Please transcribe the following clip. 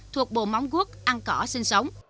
thuộc bồ móng quốc ăn cỏ sinh sống